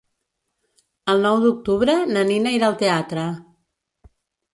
El nou d'octubre na Nina irà al teatre.